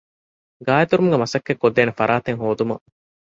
ގާއެތުރުމުގެ މަސައްކަތްކޮށްދޭނެ ފަރާތެއް ހޯދުމަށް